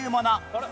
あれ？